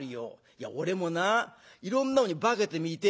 いや俺もないろんなものに化けてみてえんだ。